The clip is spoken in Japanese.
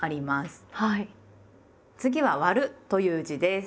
次は「『割』る」という字です。